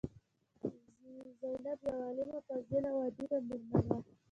زینب یوه عالمه، فاضله او ادیبه میرمن وه.